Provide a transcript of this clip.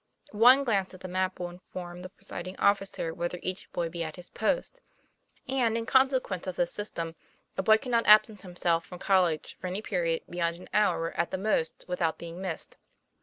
One glance at the map will inform the presiding officer whether each boy be at his post, and, in conse 62 TOM PLAYFAIR. quence of this system, a boy cannot absent himself from college for any period beyond an hour at the most without being missed.